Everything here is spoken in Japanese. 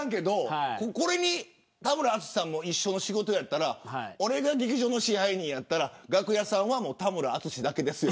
これに田村淳さんも一緒の仕事だったら俺が劇場の支配人だったら楽屋３は田村淳だけですよ。